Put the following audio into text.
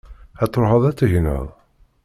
Ad truḥeḍ ad tegneḍ?